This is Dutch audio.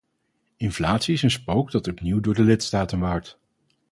Inflatie is een spook dat opnieuw door de lidstaten waart.